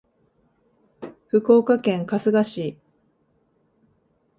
福岡県春日市